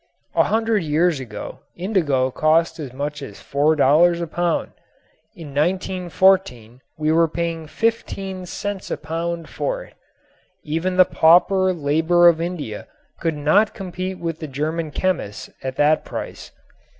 A hundred years ago indigo cost as much as $4 a pound. In 1914 we were paying fifteen cents a pound for it. Even the pauper labor of India could not compete with the German chemists at that price.